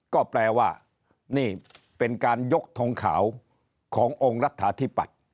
ก็แปลว่านี่เป็นการยกทงขาวขององค์รัฐาธิปัตย์